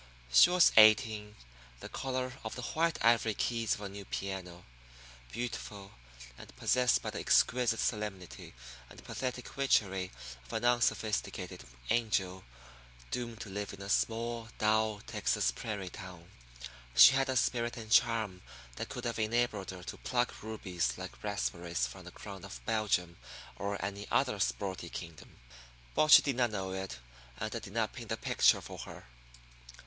She was eighteen, the color of the white ivory keys of a new piano, beautiful, and possessed by the exquisite solemnity and pathetic witchery of an unsophisticated angel doomed to live in a small, dull, Texas prairie town. She had a spirit and charm that could have enabled her to pluck rubies like raspberries from the crown of Belgium or any other sporty kingdom, but she did not know it, and I did not paint the picture for her.